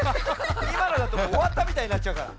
いまのだともうおわったみたいになっちゃうから。